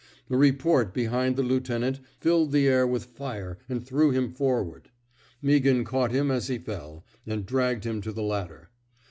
A report behind the lieutenant filled the air with fire and threw him forward. Mea ghan caught him as he fell, and dragged him to the ladder.